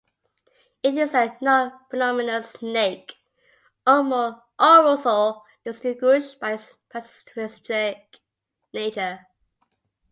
It is a nonvenomous snake, also distinguished by its pacifistic nature.